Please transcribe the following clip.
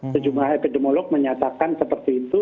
sejumlah epidemiolog menyatakan seperti itu